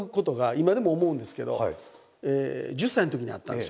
今でも思うんですけど１０歳のときにあったんですよ。